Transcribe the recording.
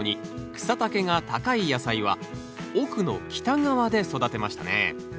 草丈が高い野菜は奥の北側で育てましたね